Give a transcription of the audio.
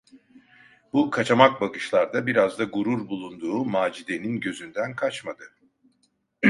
Bu kaçamak bakışlarda biraz da gurur bulunduğu Macide’nin gözünden kaçmadı.